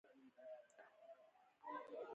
سلای فاکس ژر له غار څخه راووت او وتښتید